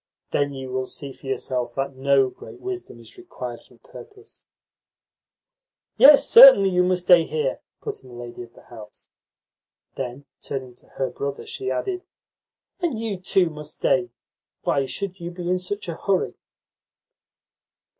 Then you will see for yourself that no great wisdom is required for the purpose." "Yes, certainly you must stay here," put in the lady of the house. Then, turning to her brother, she added: "And you too must stay. Why should you be in such a hurry?"